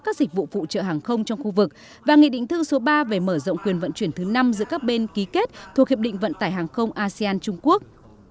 các dịch vụ phụ trợ hàng không trong khu vực và nghị định thư số ba về mở rộng quyền vận chuyển thứ năm giữa các bên ký kết thuộc hiệp định vận tải hàng không asean trung quốc